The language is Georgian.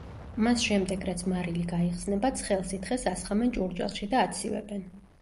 მას შემდეგ რაც მარილი გაიხსნება ცხელ სითხეს ასხამენ ჭურჭელში და აცივებენ.